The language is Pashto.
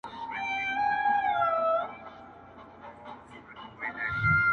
هم سپرلي او هم ګلان په ګاڼو ولي,